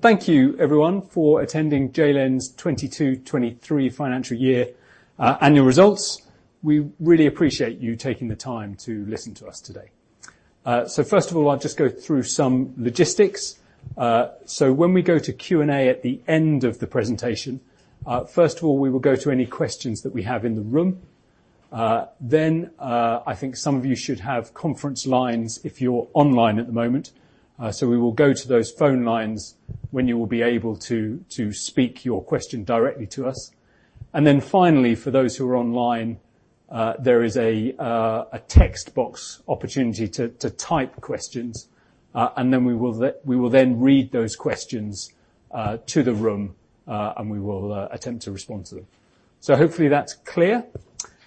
Thank you everyone for attending JLEN's 2022-2023 financial year annual results. We really appreciate you taking the time to listen to us today. First of all, I'll just go through some logistics. When we go to Q&A at the end of the presentation, first of all, we will go to any questions that we have in the room. I think some of you should have conference lines if you're online at the moment. We will go to those phone lines, when you will be able to speak your question directly to us. Finally, for those who are online, there is a text box opportunity to type questions, and we will then read those questions to the room, and we will attempt to respond to them. Hopefully that's clear.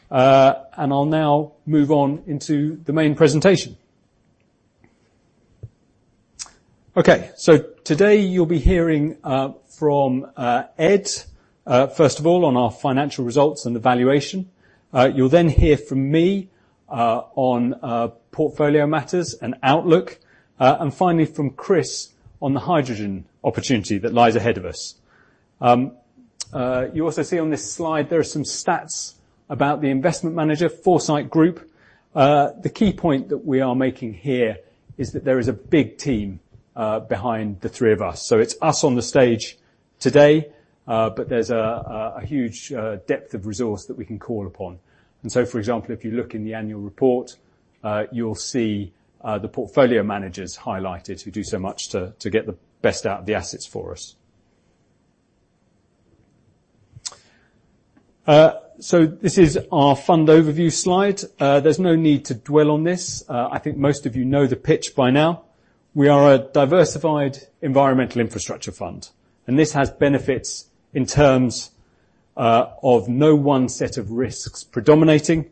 I'll now move on into the main presentation. Today you'll be hearing from Ed, first of all, on our financial results and evaluation. You'll then hear from me on portfolio matters and outlook. Finally from Chris, on the hydrogen opportunity that lies ahead of us. You also see on this slide, there are some stats about the investment manager, Foresight Group. The key point that we are making here, is that there is a big team behind the three of us. It's us on the stage today, but there's a huge depth of resource that we can call upon. For example, if you look in the annual report, you'll see the portfolio managers highlighted, who do so much to get the best out of the assets for us. This is our fund overview slide. There's no need to dwell on this. I think most of you know the pitch by now. We are a diversified environmental infrastructure fund, and this has benefits in terms of no one set of risks predominating.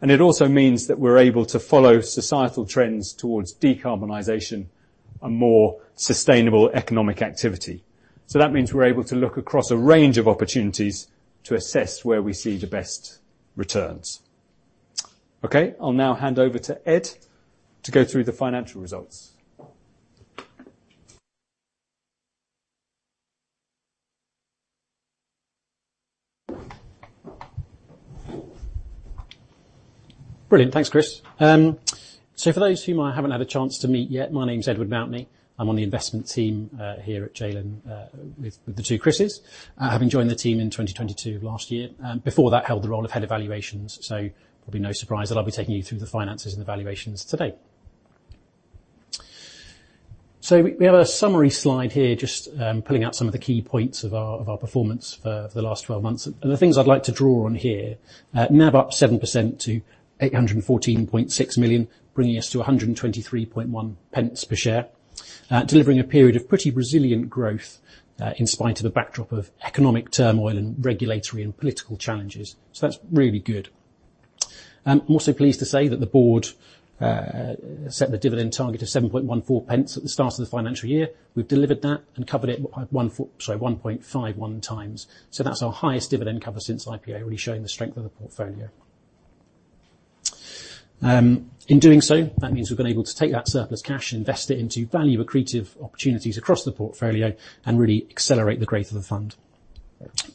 It also means that we're able to follow societal trends towards decarbonization and more sustainable economic activity. That means we're able to look across a range of opportunities to assess where we see the best returns. Okay, I'll now hand over to Ed, to go through the financial results. Brilliant. Thanks, Chris. For those whom I haven't had a chance to meet yet, my name is Edward Mountney. I'm on the investment team, here at JLEN, with the two Chrises. Having joined the team in 2022 last year, and before that, held the role of head evaluations. It will be no surprise that I'll be taking you through the finances and evaluations today. We have a summary slide here, just pulling out some of the key points of our performance for the last 12 months. The things I'd like to draw on here, NAV up 7% to 814.6 million, bringing us to GBX 123.1 per share. Delivering a period of pretty resilient growth in spite of a backdrop of economic turmoil and regulatory and political challenges. That's really good. I'm also pleased to say that the board set the dividend target of GBX 7.14 at the start of the financial year. We've delivered that and covered it by 1.51x. That's our highest dividend cover since IPO, really showing the strength of the portfolio. In doing so, that means we've been able to take that surplus cash and invest it into value accretive opportunities across the portfolio, and really accelerate the growth of the fund.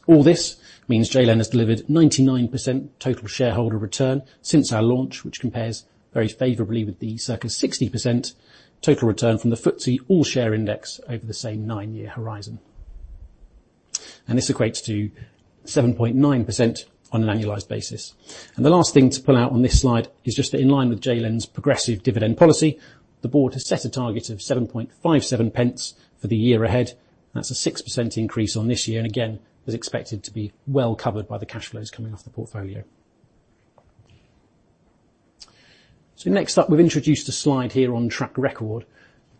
All this means JLEN has delivered 99% total shareholder return since our launch, which compares very favorably with the circa 60% total return from the FTSE All-Share index over the same 9-year horizon. This equates to 7.9% on an annualized basis. The last thing to pull out on this slide, is just that in line with JLEN's progressive dividend policy, the board has set a target of GBX 7.57 for the year ahead. That's a 6% increase on this year, and again, is expected to be well covered by the cash flows coming off the portfolio. Next up, we've introduced a slide here on track record.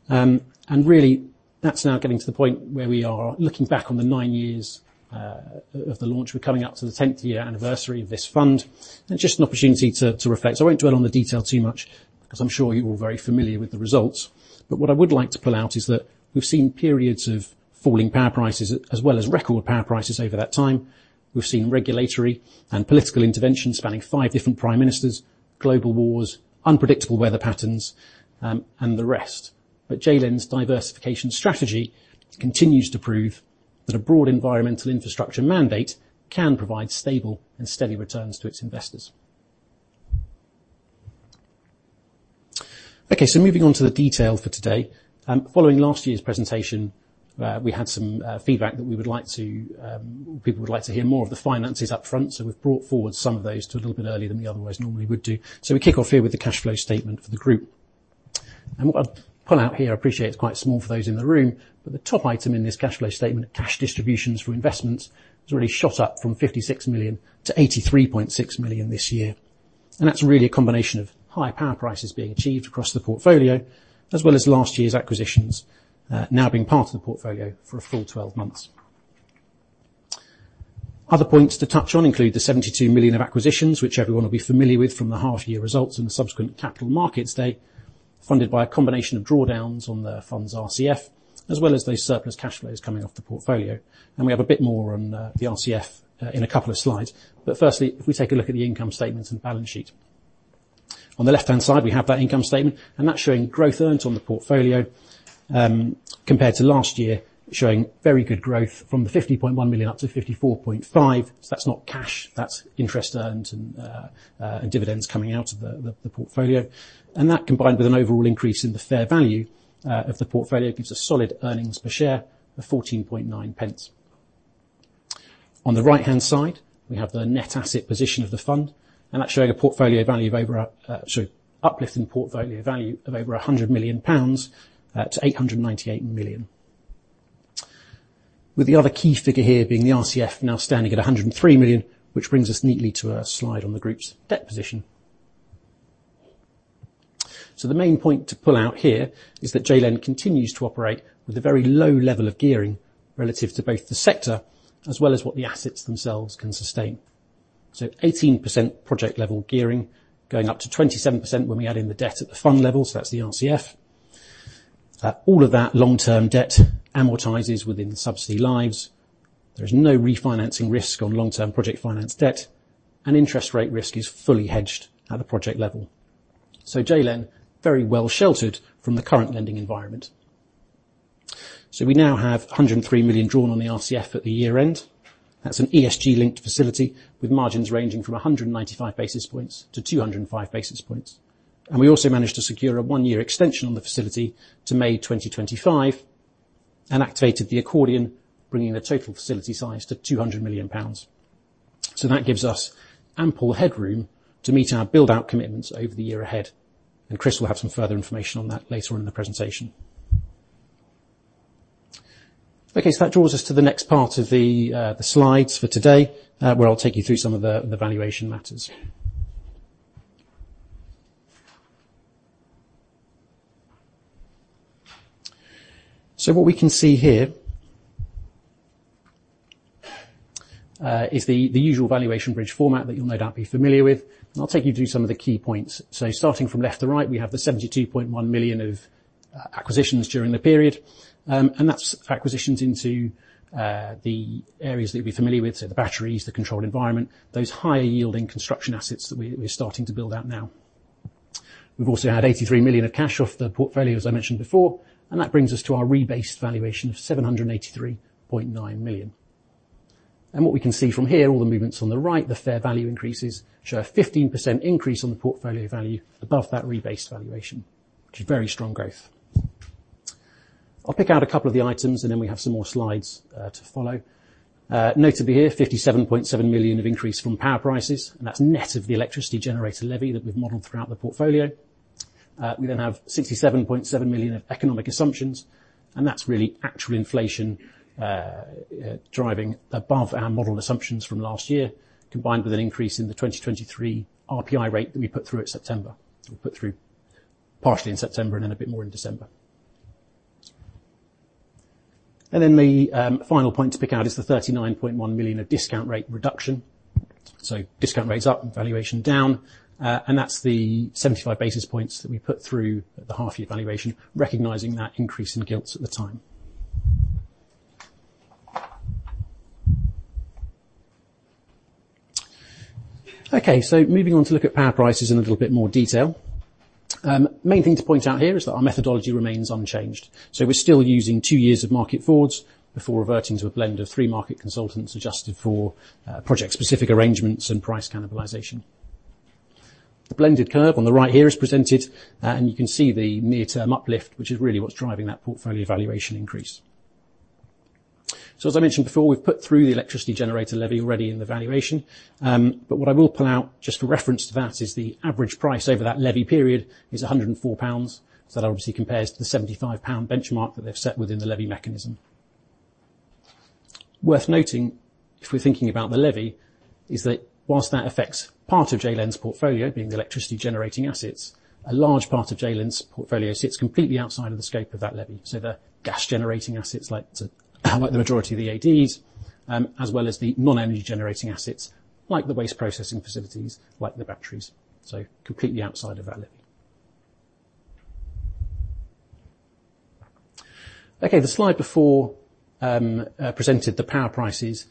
Really, that's now getting to the point where we are looking back on the nine years of the launch. We're coming up to the 10th-year anniversary of this fund, and just an opportunity to reflect. I won't dwell on the detail too much, because I'm sure you're all very familiar with the results. What I would like to pull out, is that we've seen periods of falling power prices, as well as record power prices over that time. We've seen regulatory and political interventions spanning five different prime ministers, global wars, unpredictable weather patterns, and the rest. JLEN's diversification strategy continues to prove that a broad environmental infrastructure mandate can provide stable and steady returns to its investors. Moving on to the detail for today. Following last year's presentation, we had some feedback that people would like to hear more of the finances up front, so we've brought forward some of those to a little bit earlier than we otherwise normally would do. We kick off here with the cash flow statement for the group. What I'll pull out here, I appreciate it's quite small for those in the room, but the top item in this cash flow statement, cash distributions for investments, has really shot up from 56 million to 83.6 million this year. That's really a combination of high power prices being achieved across the portfolio, as well as last year's acquisitions, now being part of the portfolio for a full 12 months. Other points to touch on include the 72 million of acquisitions, which everyone will be familiar with from the half year results and the subsequent capital markets day, funded by a combination of drawdowns on the fund's RCF, as well as those surplus cash flows coming off the portfolio. We have a bit more on the RCF in a couple of slides. Firstly, if we take a look at the income statement and balance sheet. On the left-hand side, we have that income statement, and that's showing growth earned on the portfolio, compared to last year, showing very good growth from 50.1 million up to 54.5 million. That's not cash, that's interest earned and dividends coming out of the portfolio. That, combined with an overall increase in the fair value of the portfolio, gives a solid earnings per share of GBX 14.9. On the right-hand side, we have the net asset position of the fund, and that's showing uplift in portfolio value of over 100 million pounds to 898 million. With the other key figure here being the RCF, now standing at 103 million, which brings us neatly to a slide on the group's debt position. The main point to pull out here is that JLEN continues to operate with a very low level of gearing relative to both the sector, as well as what the assets themselves can sustain. 18% project-level gearing going up to 27% when we add in the debt at the fund level, so that's the RCF. All of that long-term debt amortizes within the subsidy lives. There is no refinancing risk on long-term project finance debt, and interest rate risk is fully hedged at the project level. JLEN, very well sheltered from the current lending environment. We now have 103 million drawn on the RCF at the year-end. That's an ESG-linked facility, with margins ranging from 195 basis points to 205 basis points. We also managed to secure a one-year extension on the facility to May 2025, and activated the accordion, bringing the total facility size to 200 million pounds. That gives us ample headroom to meet our build-out commitments over the year ahead, and Chris will have some further information on that later on in the presentation. That draws us to the next part of the slides for today, where I'll take you through some of the valuation matters. What we can see here is the usual valuation bridge format that you'll no doubt be familiar with, and I'll take you through some of the key points. Starting from left to right, we have the 72.1 million of acquisitions during the period. That's acquisitions into the areas that you'd be familiar with, so the batteries, the controlled environment, those higher-yielding construction assets that we're starting to build out now. We've also had 83 million of cash off the portfolio, as I mentioned before, that brings us to our rebased valuation of 783.9 million. What we can see from here, all the movements on the right, the fair value increases show a 15% increase on the portfolio value above that rebased valuation, which is very strong growth. I'll pick out a couple of the items, then we have some more slides to follow. Notably here, 57.7 million of increase from power prices, that's net of the Electricity Generator Levy that we've modeled throughout the portfolio. We have 67.7 million of economic assumptions, that's really actual inflation driving above our model assumptions from last year, combined with an increase in the 2023 RPI rate that we put through at September. We put through partially in September and then a bit more in December. The final point to pick out is the 39.1 million of discount rate reduction. Discount rates up, valuation down, that's the 75 basis points that we put through at the half-year valuation, recognizing that increase in gilts at the time. Moving on to look at power prices in a little bit more detail. main thing to point out here is that our methodology remains unchanged. We're still using two years of market forwards before reverting to a blend of three market consultants, adjusted for project-specific arrangements and price cannibalization. The blended curve on the right here is presented, and you can see the near-term uplift, which is really what's driving that portfolio valuation increase. As I mentioned before, we've put through the Electricity Generator Levy already in the valuation. But what I will pull out, just for reference to that, is the average price over that levy period is 104 pounds. That obviously compares to the 75 pound benchmark that they've set within the levy mechanism. Worth noting, if we're thinking about the levy, is that whilst that affects part of JLEN's portfolio, being the electricity-generating assets, a large part of JLEN's portfolio sits completely outside of the scope of that levy. The gas-generating assets, like the majority of the ADs, as well as the non-energy generating assets, like the waste processing facilities, like the batteries. Completely outside of that levy. The slide before, presented the power prices,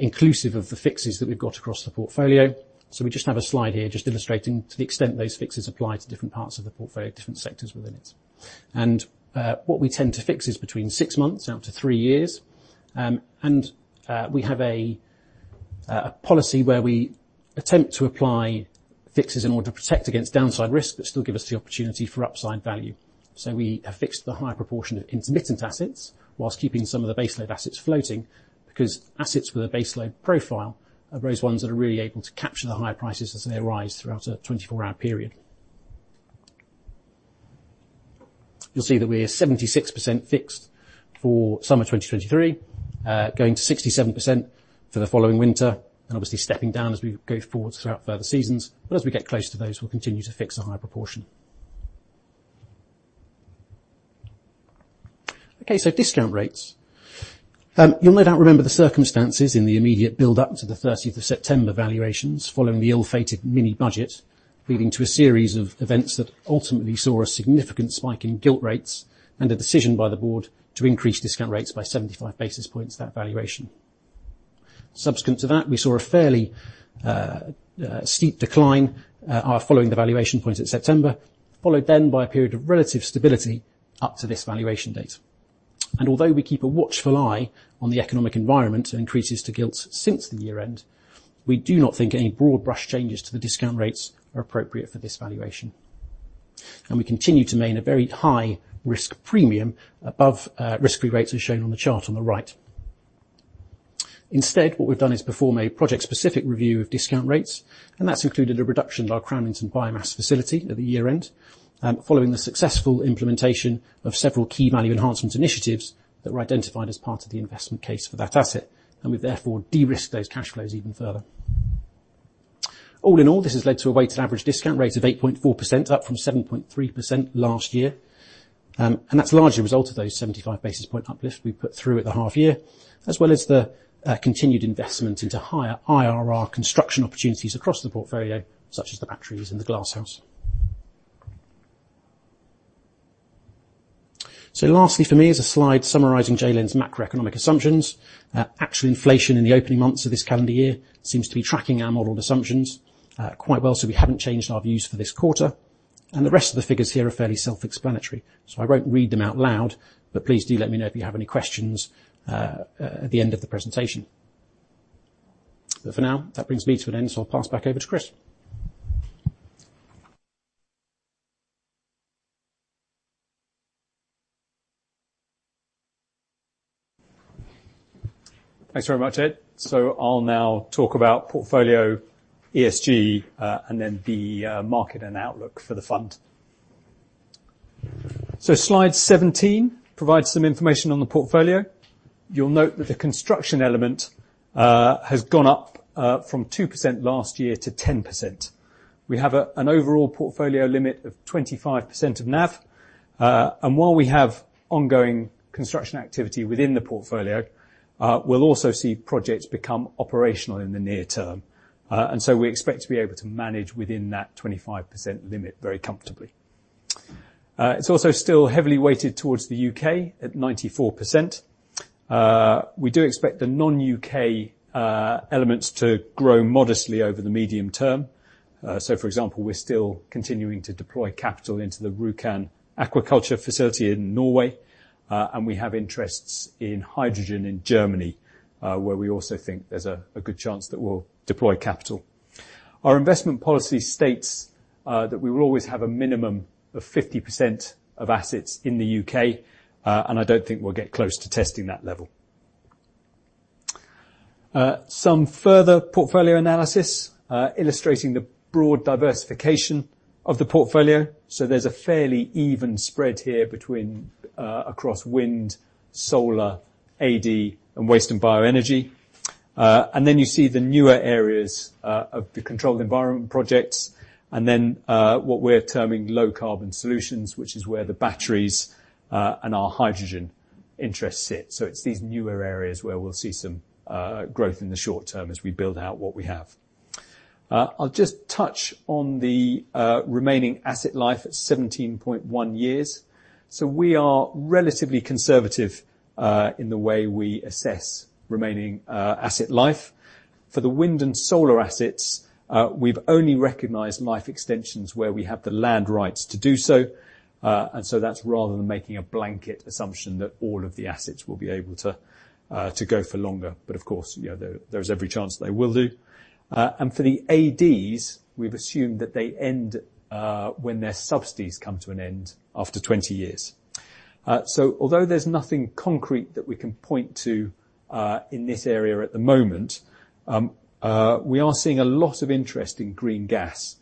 inclusive of the fixes that we've got across the portfolio. We just have a slide here, just illustrating to the extent those fixes apply to different parts of the portfolio, different sectors within it. What we tend to fix is between six months out to three years. We have a policy where we attempt to apply fixes in order to protect against downside risk, but still give us the opportunity for upside value. We have fixed the higher proportion of intermittent assets, while keeping some of the baseload assets floating, because assets with a baseload profile are those ones that are really able to capture the higher prices as they arise throughout a 24-hour period. You'll see that we're 76% fixed for summer 2023, going to 67% for the following winter, obviously stepping down as we go forward throughout further seasons. As we get closer to those, we'll continue to fix a higher proportion. Discount rates. You'll no doubt remember the circumstances in the immediate build up to the 30th of September valuations, following the ill-fated Mini-Budget, leading to a series of events that ultimately saw a significant spike in gilt rates and a decision by the board to increase discount rates by 75 basis points, that valuation. Subsequent to that, we saw a fairly steep decline following the valuation point in September, followed then by a period of relative stability up to this valuation date. Although we keep a watchful eye on the economic environment and increases to gilts since the year end, we do not think any broad brush changes to the discount rates are appropriate for this valuation. We continue to maintain a very high risk premium above risky rates, as shown on the chart on the right. Instead, what we've done is perform a project-specific review of discount rates, and that's included a reduction in our Cramlington biomass facility at the year-end. Following the successful implementation of several key value enhancement initiatives that were identified as part of the investment case for that asset, we therefore de-risk those cash flows even further. All in all, this has led to a weighted average discount rate of 8.4%, up from 7.3% last year. That's largely a result of those 75 basis point uplift we put through at the half year, as well as the continued investment into higher IRR construction opportunities across the portfolio, such as the batteries in the Glasshouse. Lastly, for me, is a slide summarizing JLEN's macroeconomic assumptions. Actual inflation in the opening months of this calendar year seems to be tracking our modeled assumptions quite well, so we haven't changed our views for this quarter. The rest of the figures here are fairly self-explanatory, so I won't read them out loud, but please do let me know if you have any questions at the end of the presentation. For now, that brings me to an end, so I'll pass back over to Chris. Thanks very much, Ed. I'll now talk about portfolio ESG, and then the market and outlook for the fund. Slide 17 provides some information on the portfolio. You'll note that the construction element has gone up from 2% last year to 10%. We have an overall portfolio limit of 25% of NAV. While we have ongoing construction activity within the portfolio, we'll also see projects become operational in the near term. We expect to be able to manage within that 25% limit very comfortably. It's also still heavily weighted towards the U.K. at 94%. We do expect the non-U.K. elements to grow modestly over the medium term. For example, we're still continuing to deploy capital into the Rjukan aquaculture facility in Norway. We have interests in hydrogen in Germany, where we also think there's a good chance that we'll deploy capital. Our investment policy states that we will always have a minimum of 50% of assets in the U.K., and I don't think we'll get close to testing that level. Some further portfolio analysis illustrating the broad diversification of the portfolio. There's a fairly even spread here between across wind, solar, AD, and waste and bioenergy. Then you see the newer areas of the controlled environment projects, and then what we're terming low carbon solutions, which is where the batteries and our hydrogen interests sit. It's these newer areas where we'll see some growth in the short term as we build out what we have. I'll just touch on the remaining asset life at 17.1 years. We are relatively conservative in the way we assess remaining asset life. For the wind and solar assets, we've only recognized life extensions where we have the land rights to do so. That's rather than making a blanket assumption that all of the assets will be able to go for longer. Of course, you know, there's every chance they will do. For the ADs, we've assumed that they end when their subsidies come to an end after 20 years. Although there's nothing concrete that we can point to in this area at the moment, we are seeing a lot of interest in green gas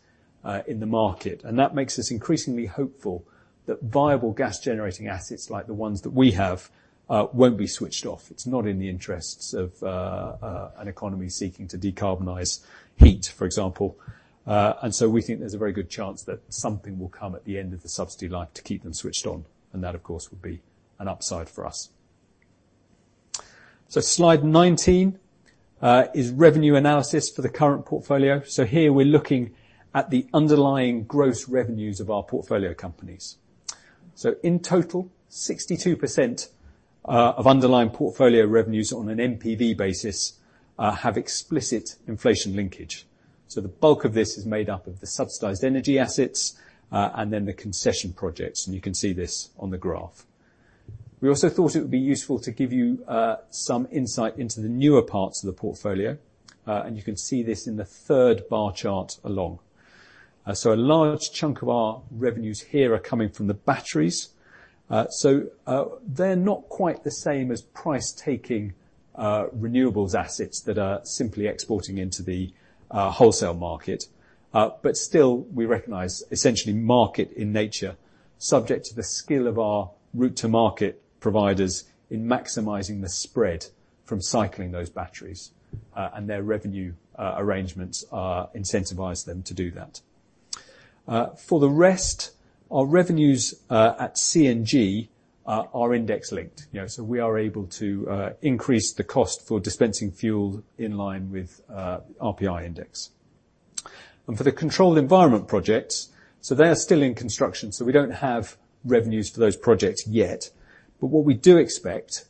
in the market. That makes us increasingly hopeful that viable gas-generating assets, like the ones that we have, won't be switched off. It's not in the interests of an economy seeking to decarbonize heat, for example. We think there's a very good chance that something will come at the end of the subsidy life to keep them switched on, and that, of course, would be an upside for us. Slide 19 is revenue analysis for the current portfolio. Here we're looking at the underlying gross revenues of our portfolio companies. In total, 62% of underlying portfolio revenues on an NPV basis have explicit inflation linkage. The bulk of this is made up of the subsidized energy assets and then the concession projects, and you can see this on the graph. We also thought it would be useful to give you some insight into the newer parts of the portfolio, and you can see this in the third bar chart along. A large chunk of our revenues here are coming from the batteries. They're not quite the same as price-taking renewables assets that are simply exporting into the wholesale market. Still, we recognize essentially market in nature, subject to the skill of our route to market providers in maximizing the spread from cycling those batteries, and their revenue arrangements incentivize them to do that. For the rest, our revenues at CNG are index-linked, you know, so we are able to increase the cost for dispensing fuel in line with RPI index. For the controlled environment projects, they are still in construction, we don't have revenues for those projects yet. What we do expect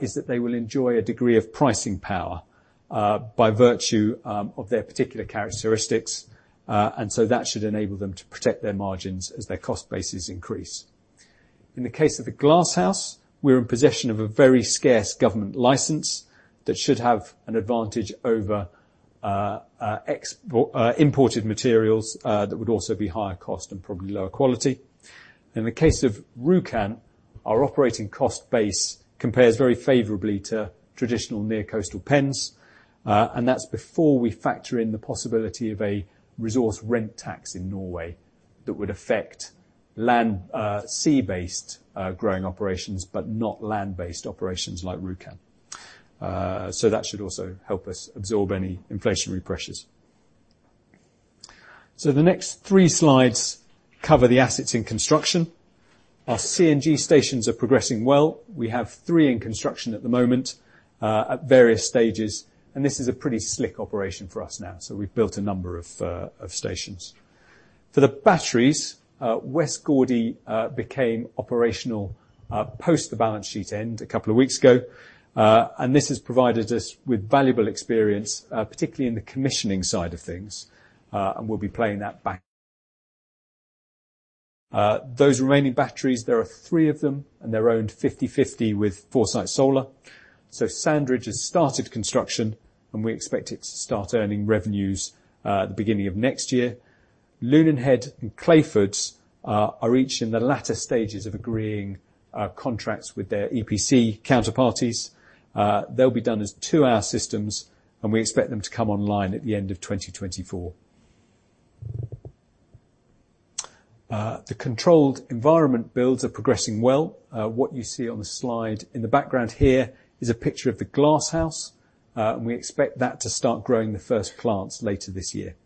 is that they will enjoy a degree of pricing power by virtue of their particular characteristics. That should enable them to protect their margins as their cost bases increase. In the case of the Glasshouse, we're in possession of a very scarce government license that should have an advantage over imported materials that would also be higher cost and probably lower quality. In the case of Rjukan, our operating cost base compares very favorably to traditional near coastal pens. That's before we factor in the possibility of a resource rent tax in Norway that would affect land, sea-based growing operations, but not land-based operations like Rjukan. That should also help us absorb any inflationary pressures. The next three slides cover the assets in construction. Our CNG stations are progressing well. We have three in construction at the moment, at various stages, and this is a pretty slick operation for us now, we've built a number of stations. For the batteries, West Gourdie became operational post the balance sheet end a couple of weeks ago. And this has provided us with valuable experience, particularly in the commissioning side of things. And we'll be playing that back. Those remaining batteries, there are three of them, and they're owned 50/50 with Foresight Solar. Sandridge has started construction, and we expect it to start earning revenues at the beginning of next year. Lunanhead and Clayfords are each in the latter stages of agreeing contracts with their EPC counterparties. They'll be done as two-hour systems, and we expect them to come online at the end of 2024. The controlled environment builds are progressing well. What you see on the slide in the background here is a picture of the Glasshouse. We expect that to start growing the first plants later this year.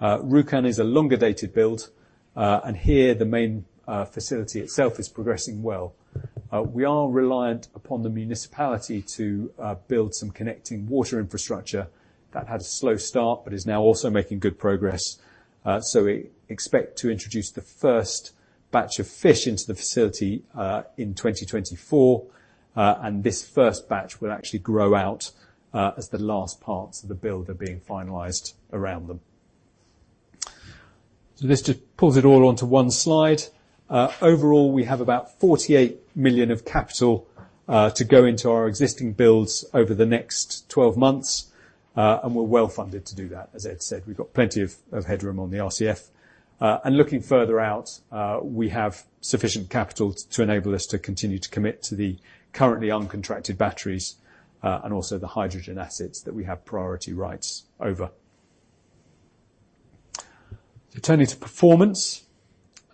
Rjukan is a longer-dated build, and here, the main facility itself is progressing well. We are reliant upon the municipality to build some connecting water infrastructure that had a slow start, but is now also making good progress. We expect to introduce the first batch of fish into the facility in 2024, and this first batch will actually grow out as the last parts of the build are being finalized around them. Let's just pull it all onto one slide. Overall, we have about 48 million of capital to go into our existing builds over the next 12 months, and we're well-funded to do that. As Ed said, we've got plenty of headroom on the RCF. Looking further out, we have sufficient capital to enable us to continue to commit to the currently uncontracted batteries, and also the hydrogen assets that we have priority rights over. Turning to performance.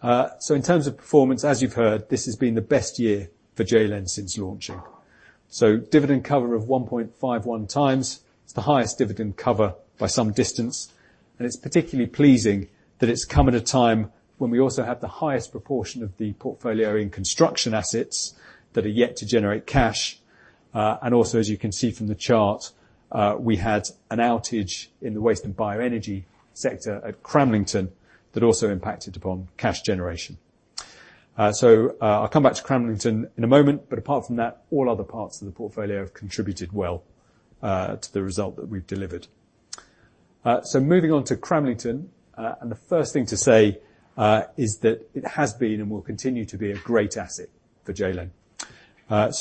In terms of performance, as you've heard, this has been the best year for JLEN since launching. Dividend cover of 1.51x, it's the highest dividend cover by some distance, and it's particularly pleasing that it's come at a time when we also have the highest proportion of the portfolio in construction assets that are yet to generate cash. Also, as you can see from the chart, we had an outage in the waste and bioenergy sector at Cramlington that also impacted upon cash generation. I'll come back to Cramlington in a moment, but apart from that, all other parts of the portfolio have contributed well to the result that we've delivered. Moving on to Cramlington, the first thing to say is that it has been, and will continue to be, a great asset for JLEN.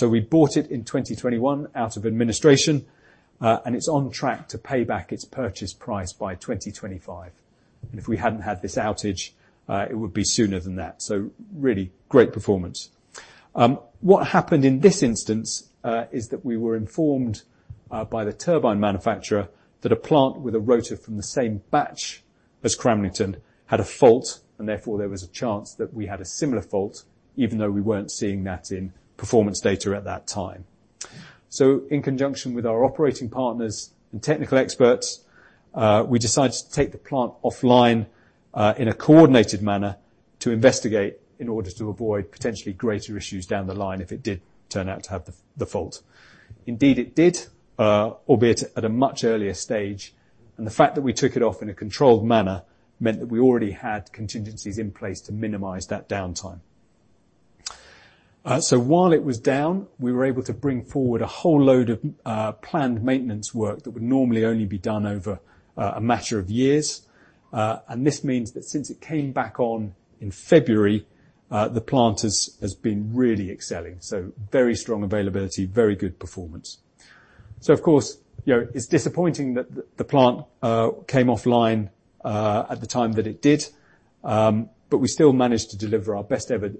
We bought it in 2021 out of administration, and it's on track to pay back its purchase price by 2025. If we hadn't had this outage, it would be sooner than that. Really great performance. What happened in this instance, is that we were informed by the turbine manufacturer that a plant with a rotor from the same batch as Cramlington had a fault, and therefore, there was a chance that we had a similar fault, even though we weren't seeing that in performance data at that time. In conjunction with our operating partners and technical experts, we decided to take the plant offline in a coordinated manner to investigate in order to avoid potentially greater issues down the line if it did turn out to have the fault. Indeed, it did, albeit at a much earlier stage. The fact that we took it off in a controlled manner meant that we already had contingencies in place to minimize that downtime. While it was down, we were able to bring forward a whole load of planned maintenance work that would normally only be done over a matter of years. This means that since it came back on in February, the plant has been really excelling, so very strong availability, very good performance. Of course, you know, it's disappointing that the plant came offline at the time that it did, but we still managed to deliver our best ever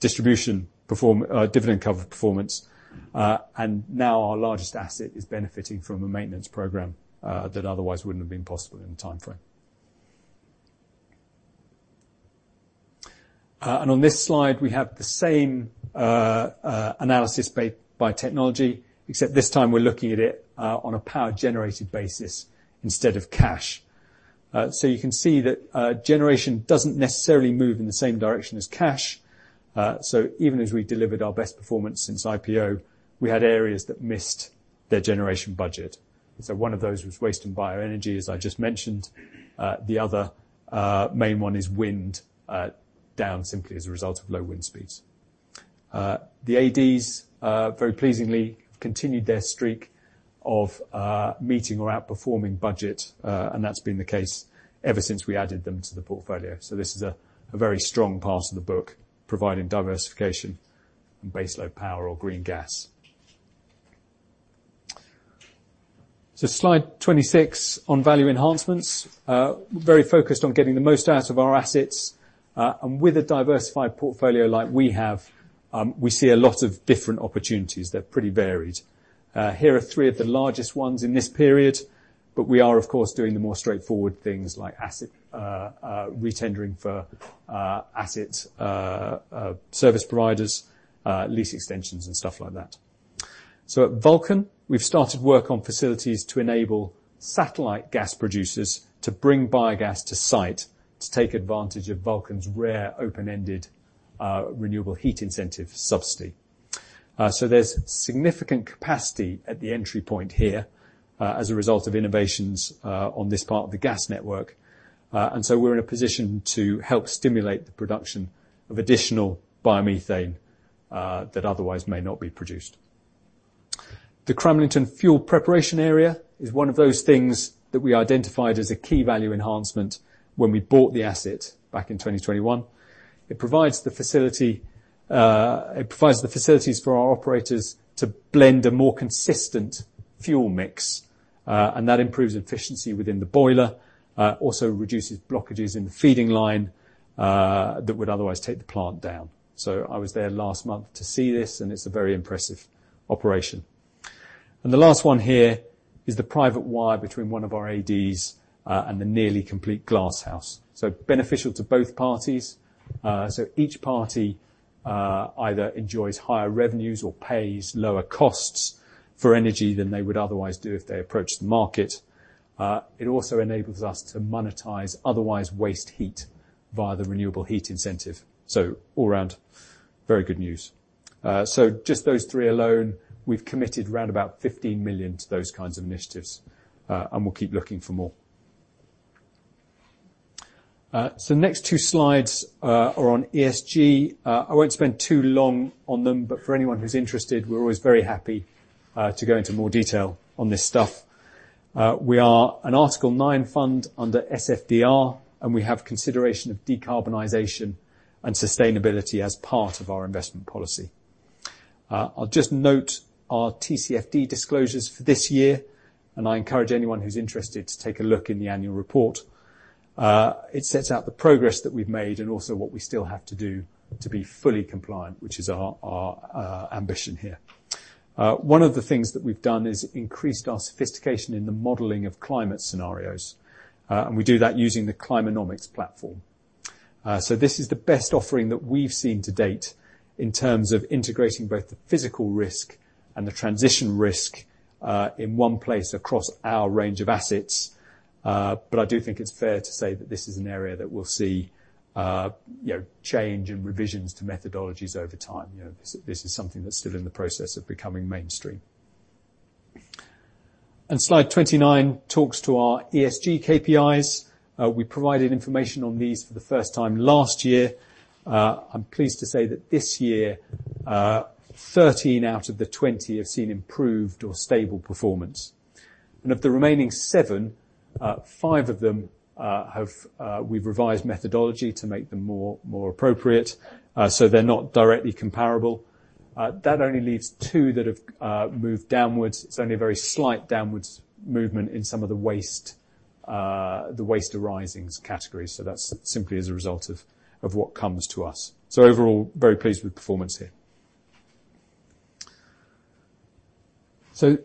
dividend cover performance. Now our largest asset is benefiting from a maintenance program that otherwise wouldn't have been possible in the timeframe. On this slide, we have the same analysis made by technology, except this time we're looking at it on a power generated basis instead of cash. You can see that generation doesn't necessarily move in the same direction as cash. Even as we delivered our best performance since IPO, we had areas that missed their generation budget. One of those was waste and bioenergy, as I just mentioned. The other main one is wind, down simply as a result of low wind speeds. The ADs very pleasingly continued their streak of meeting or outperforming budget, and that's been the case ever since we added them to the portfolio. This is a very strong part of the book, providing diversification and baseload power or green gas. Slide 26 on value enhancements. Very focused on getting the most out of our assets, and with a diversified portfolio like we have, we see a lot of different opportunities that are pretty varied. Here are three of the largest ones in this period, but we are, of course, doing the more straightforward things like asset re-tendering for asset service providers, lease extensions, and stuff like that. At Vulcan, we've started work on facilities to enable satellite gas producers to bring biogas to site to take advantage of Vulcan's rare, open-ended Renewable Heat Incentive subsidy. There's significant capacity at the entry point here, as a result of innovations on this part of the gas network. We're in a position to help stimulate the production of additional biomethane that otherwise may not be produced. The Cramlington fuel preparation area is one of those things that we identified as a key value enhancement when we bought the asset back in 2021. It provides the facilities for our operators to blend a more consistent fuel mix, and that improves efficiency within the boiler, also reduces blockages in the feeding line that would otherwise take the plant down. I was there last month to see this, and it's a very impressive operation. The last one here is the private wire between one of our ADs and the nearly complete glasshouse. Beneficial to both parties. Each party either enjoys higher revenues or pays lower costs for energy than they would otherwise do if they approached the market. It also enables us to monetize otherwise waste heat via the Renewable Heat Incentive, so all around, very good news. Just those three alone, we've committed round about 15 million to those kinds of initiatives and we'll keep looking for more. Next two slides are on ESG. I won't spend too long on them, but for anyone who's interested, we're always very happy to go into more detail on this stuff. We are an Article IX fund under SFDR, and we have consideration of decarbonization and sustainability as part of our investment policy. I'll just note our TCFD disclosures for this year, and I encourage anyone who's interested to take a look in the annual report. It sets out the progress that we've made and also what we still have to do to be fully compliant, which is our ambition here. One of the things that we've done is increased our sophistication in the modeling of climate scenarios, and we do that using the Climanomics platform. This is the best offering that we've seen to date in terms of integrating both the physical risk and the transition risk in one place across our range of assets. I do think it's fair to say that this is an area that we'll see, you know, change and revisions to methodologies over time. You know, this is something that's still in the process of becoming mainstream. Slide 29 talks to our ESG KPIs. We provided information on these for the first time last year. I'm pleased to say that this year, 13 out of the 20 have seen improved or stable performance. Of the remaining seven, five of them have, we've revised methodology to make them more, more appropriate, so they're not directly comparable. That only leaves two that have moved downwards. It's only a very slight downwards movement in some of the waste, the waste arisings categories, so that's simply as a result of what comes to us. Overall, very pleased with performance here.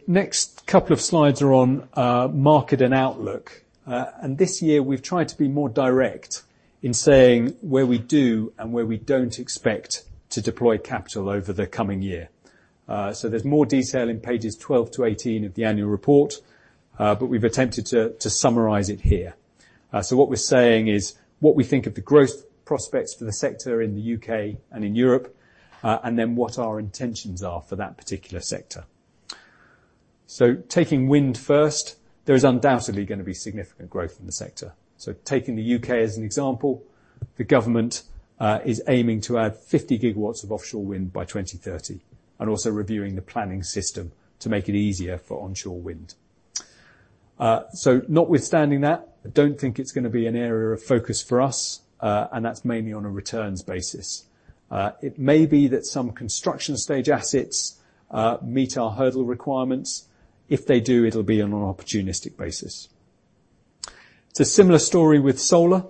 Next couple of slides are on market and outlook, and this year we've tried to be more direct in saying where we do and where we don't expect to deploy capital over the coming year. There's more detail in pages 12 to 18 of the annual report, but we've attempted to summarize it here. What we're saying is, what we think of the growth prospects for the sector in the U.K. and in Europe, and then what our intentions are for that particular sector. Taking wind first, there is undoubtedly going to be significant growth in the sector. Taking the U.K. as an example, the government is aiming to add 50 GW of offshore wind by 2030 and also reviewing the planning system to make it easier for onshore wind. Notwithstanding that, I don't think it's gonna be an area of focus for us, and that's mainly on a returns basis. It may be that some construction stage assets meet our hurdle requirements. If they do, it'll be on an opportunistic basis. It's a similar story with solar.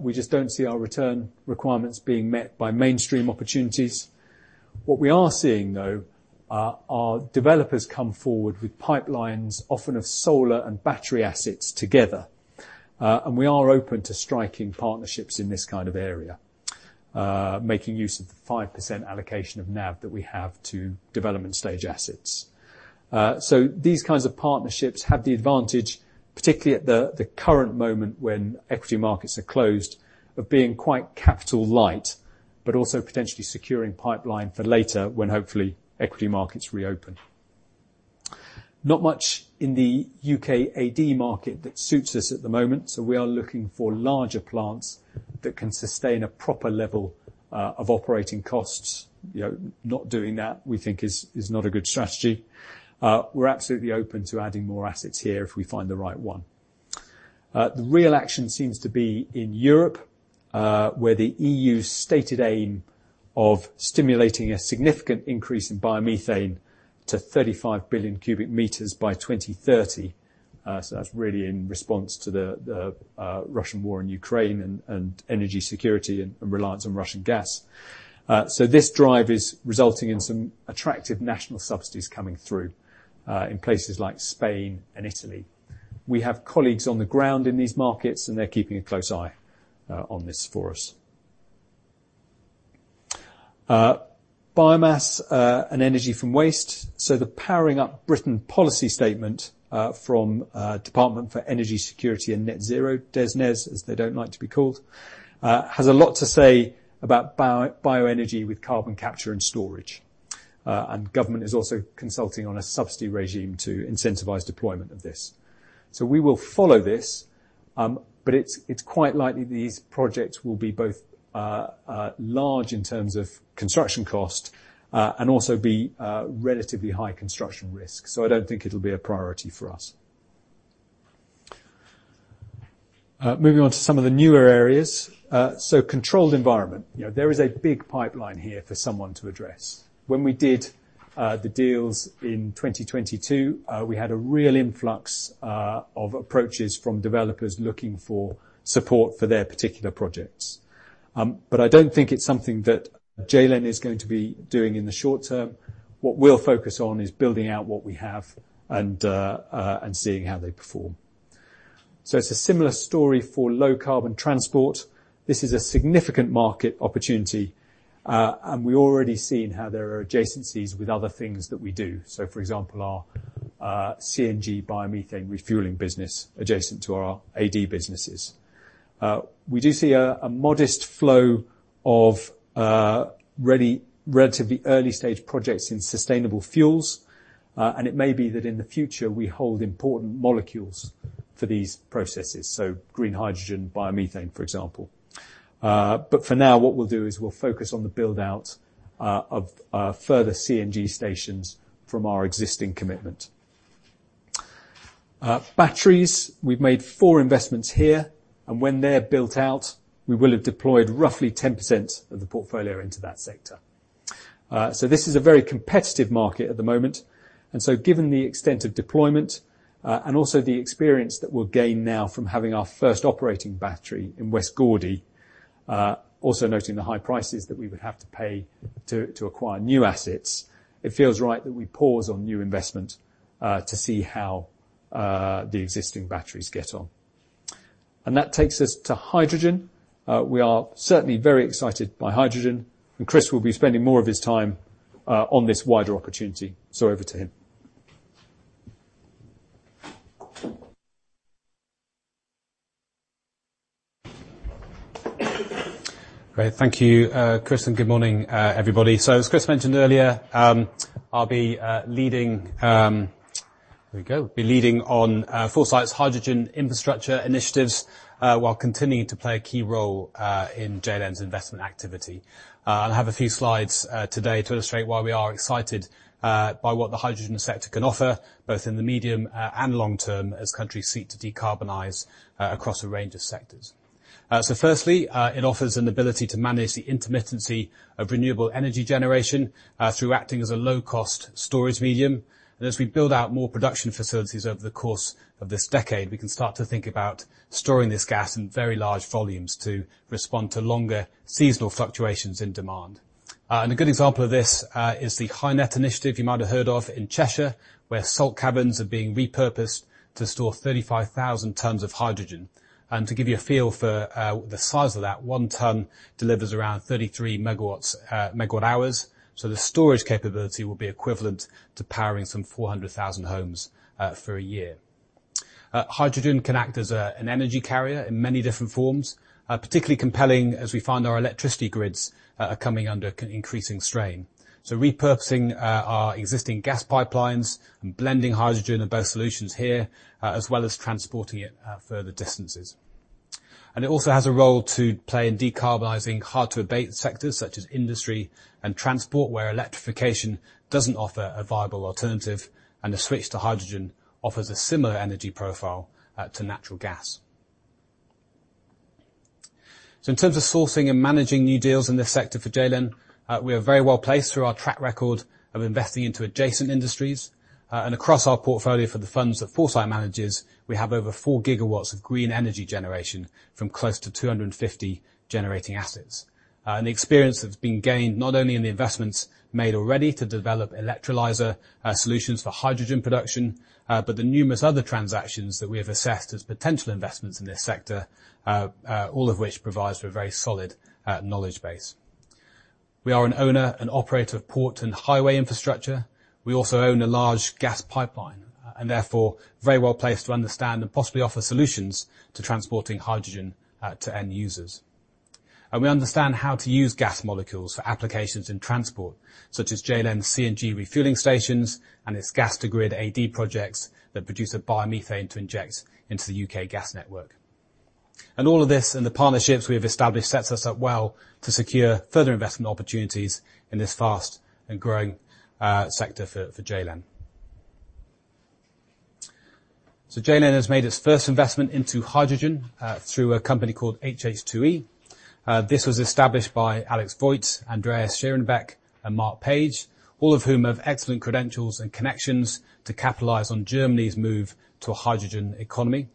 We just don't see our return requirements being met by mainstream opportunities. What we are seeing, our developers come forward with pipelines, often of solar and battery assets together. We are open to striking partnerships in this kind of area, making use of the 5% allocation of NAV that we have to development stage assets. These kinds of partnerships have the advantage, particularly at the current moment when equity markets are closed, of being quite capital light, but also potentially securing pipeline for later, when hopefully equity markets reopen. Not much in the U.K. AD market that suits us at the moment, we are looking for larger plants that can sustain a proper level of operating costs. You know, not doing that, we think, is not a good strategy. We're absolutely open to adding more assets here if we find the right one. The real action seems to be in Europe, where the EU's stated aim of stimulating a significant increase in biomethane to 35 billion cu m by 2030. That's really in response to the Russian war in Ukraine and energy security and reliance on Russian gas. This drive is resulting in some attractive national subsidies coming through, in places like Spain and Italy. We have colleagues on the ground in these markets, and they're keeping a close eye on this for us. Biomass and energy from waste. The Powering Up Britain policy statement from Department for Energy Security and Net Zero, DESNZ, as they don't like to be called, has a lot to say about bioenergy with carbon capture and storage. Government is also consulting on a subsidy regime to incentivize deployment of this. We will follow this, but it's quite likely these projects will be both large in terms of construction cost, and also be relatively high construction risk. I don't think it'll be a priority for us. Moving on to some of the newer areas. Controlled environment. You know, there is a big pipeline here for someone to address. When we did the deals in 2022, we had a real influx of approaches from developers looking for support for their particular projects. I don't think it's something that JLEN is going to be doing in the short term. What we'll focus on is building out what we have and seeing how they perform. It's a similar story for low-carbon transport. This is a significant market opportunity, and we already seen how there are adjacencies with other things that we do. For example, our CNG biomethane refueling business adjacent to our AD businesses. We do see a modest flow of relatively early stage projects in sustainable fuels, and it may be that in the future we hold important molecules for these processes, so green hydrogen, biomethane, for example. But for now, what we'll do is we'll focus on the build-out of further CNG stations from our existing commitment. Batteries, we've made four investments here, and when they're built out, we will have deployed roughly 10% of the portfolio into that sector. This is a very competitive market at the moment, and so given the extent of deployment, and also the experience that we'll gain now from having our first operating battery in West Gourdie, also noting the high prices that we would have to pay to acquire new assets, it feels right that we pause on new investment, to see how the existing batteries get on. That takes us to hydrogen. We are certainly very excited by hydrogen, and Chris will be spending more of his time, on this wider opportunity. Over to him. Great. Thank you, Chris, and good morning, everybody. As Chris mentioned earlier, I'll be leading on Foresight's hydrogen infrastructure initiatives while continuing to play a key role in JLEN's investment activity. I have a few slides today to illustrate why we are excited by what the hydrogen sector can offer, both in the medium and long term, as countries seek to decarbonize across a range of sectors. Firstly, it offers an ability to manage the intermittency of renewable energy generation through acting as a low-cost storage medium. As we build out more production facilities over the course of this decade, we can start to think about storing this gas in very large volumes to respond to longer seasonal fluctuations in demand. A good example of this is the HyNet initiative you might have heard of in Cheshire, where salt caverns are being repurposed to store 35,000 tons of hydrogen. To give you a feel for the size of that, one ton delivers around 33 MW hours, so the storage capability will be equivalent to powering some 400,000 homes for a year. Hydrogen can act as an energy carrier in many different forms, particularly compelling as we find our electricity grids are coming under increasing strain. Repurposing our existing gas pipelines and blending hydrogen are both solutions here, as well as transporting it further distances. It also has a role to play in decarbonizing hard-to-abate sectors such as industry and transport, where electrification doesn't offer a viable alternative, and the switch to hydrogen offers a similar energy profile to natural gas. In terms of sourcing and managing new deals in this sector for JLEN, we are very well placed through our track record of investing into adjacent industries. Across our portfolio for the funds that Foresight manages, we have over 4 GW of green energy generation from close to 250 generating assets. The experience that's been gained, not only in the investments made already to develop electrolyser solutions for hydrogen production, but the numerous other transactions that we have assessed as potential investments in this sector, all of which provides a very solid knowledge base. We are an owner and operator of port and highway infrastructure. We also own a large gas pipeline, and therefore, very well-placed to understand and possibly offer solutions to transporting hydrogen to end users. We understand how to use gas molecules for applications in transport, such as JLEN CNG refueling stations and its gas-to-grid AD projects that produce a biomethane to inject into the U.K. gas network. All of this, and the partnerships we have established, sets us up well to secure further investment opportunities in this fast and growing sector for JLEN. JLEN has made its first investment into hydrogen through a company called HH2E. This was established by Alexander Voigt, Andreas Schierenbeck, and Mark Page, all of whom have excellent credentials and connections to capitalize on Germany's move to a hydrogen economy.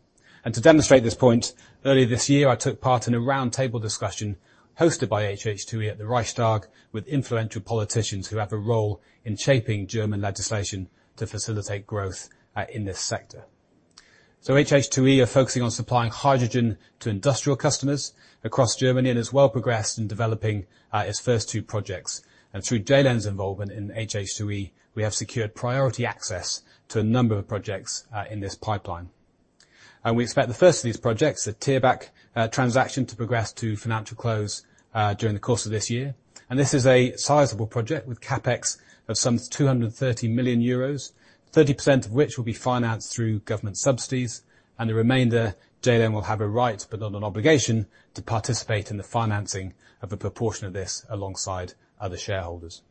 To demonstrate this point, earlier this year, I took part in a roundtable discussion hosted by HH2E at the Reichstag with influential politicians who have a role in shaping German legislation to facilitate growth in this sector. HH2E are focusing on supplying hydrogen to industrial customers across Germany, and is well progressed in developing its first two projects. Through JLEN's involvement in HH2E, we have secured priority access to a number of projects in this pipeline. We expect the first of these projects, the Thierbach transaction, to progress to financial close during the course of this year. This is a sizable project with CapEx of some 230 million euros, 30% of which will be financed through government subsidies, and the remainder, JLEN will have a right, but not an obligation, to participate in the financing of a proportion of this alongside other shareholders.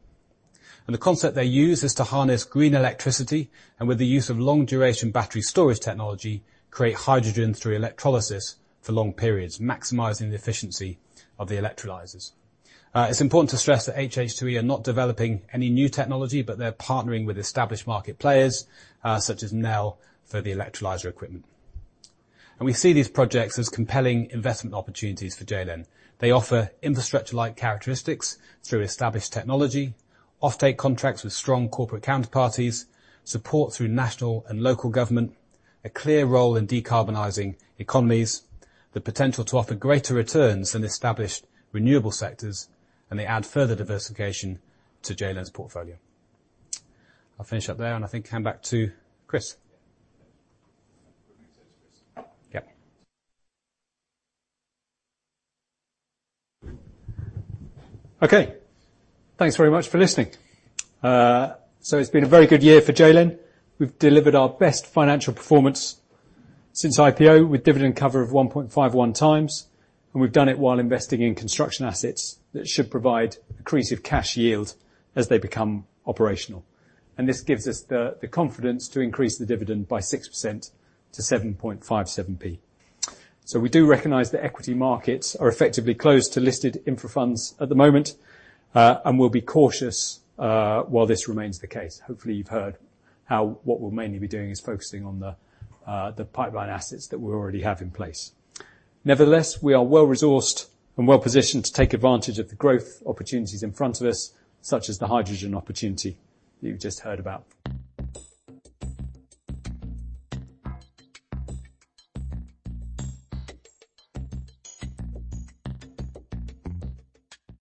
The concept they use is to harness green electricity, and with the use of long-duration battery storage technology, create hydrogen through electrolysis for long periods, maximizing the efficiency of the electrolyzers. It's important to stress that HH2E are not developing any new technology, but they're partnering with established market players, such as Nel, for the electrolyzer equipment. We see these projects as compelling investment opportunities for JLEN. They offer infrastructure-like characteristics through established technology, offtake contracts with strong corporate counterparties, support through national and local government, a clear role in decarbonizing economies, the potential to offer greater returns than established renewable sectors, and they add further diversification to JLEN's portfolio. I'll finish up there, and I think hand back to Chris. Yeah. Yep. Thanks very much for listening. It's been a very good year for JLEN. We've delivered our best financial performance since IPO, with dividend cover of 1.51x, and we've done it while investing in construction assets that should provide accretive cash yield as they become operational. This gives us the confidence to increase the dividend by 6% to GBX 7.57. We do recognize that equity markets are effectively closed to listed infra funds at the moment, and we'll be cautious while this remains the case. Hopefully, you've heard how what we'll mainly be doing is focusing on the pipeline assets that we already have in place. Nevertheless, we are well-resourced and well-positioned to take advantage of the growth opportunities in front of us, such as the hydrogen opportunity you've just heard about.